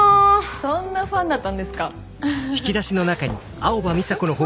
そんなファンだったんですか。